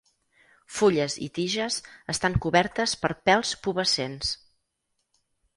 Fulles i tiges estan cobertes per pèls pubescents.